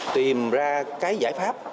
tìm ra cái giải pháp